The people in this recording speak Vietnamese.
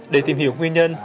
để tìm hiểu nguyên nhân